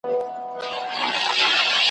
آیینه ماته که چي ځان نه وینم تا ووینم ,